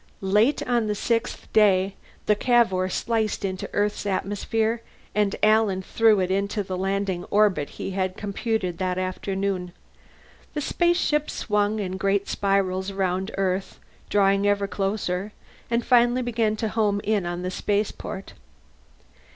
Late on the sixth day the Cavour sliced into Earth's atmosphere, and Alan threw it into the landing orbit he had computed that afternoon. The ship swung in great spirals around Earth, drawing ever closer, and finally began to home in on the spaceport.